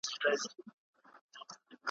پر پردي قوت چي وکړي حسابونه `